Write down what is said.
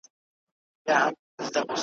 چي په هغو کي « زموږ شهید سوي عسکر» ,